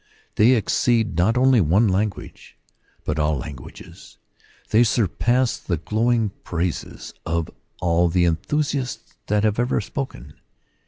They exceed not only one language, but all languages: they surpass the glowing praises of all the enthusiasts that have ever spoken.